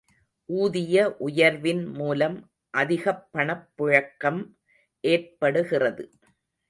ஊதிய உயர்வின் மூலம் அதிகப் பணப்புழக்கம் ஏற்படுகிறது.